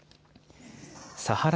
サハラ